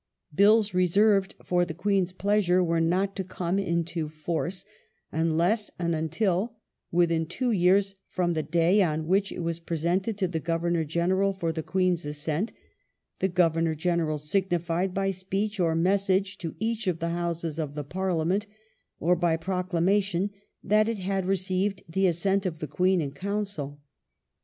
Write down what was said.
Bills reserved for the Queen's pleasure were not to come into force unless and until, within two years from the day on which it was presented to the Governor General for the Queen's assent, the Governor General signified, by speech or message to each of the Houses of the Parliament or by proclamation, that it had received the assent of the Queen in Council.